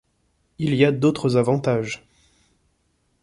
Il y a d’autres avantages.